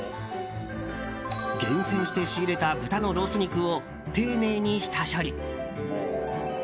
厳選して仕入れた豚のロース肉を丁寧に下処理。